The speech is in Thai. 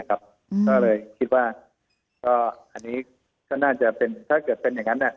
ก็เลยคิดว่าอันนี้ถ้าเกิดเป็นอย่างนั้น